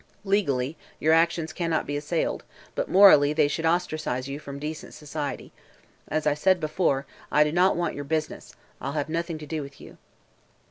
Legally your actions cannot be assailed, but morally they should ostracize you from decent society. As I said before, I do not want your business. I'll have nothing to do with you."